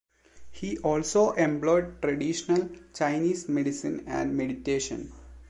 He also employed traditional Chinese medicine and meditation.